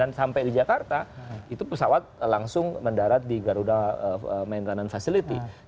dan sampai di jakarta itu pesawat langsung mendarat di garuda maintenance facility